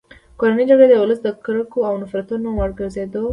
کورنۍ جګړې د ولس د کرکو او نفرتونو وړ وګرځېدې.